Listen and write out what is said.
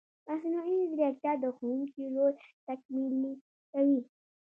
مصنوعي ځیرکتیا د ښوونکي رول تکمیلي کوي.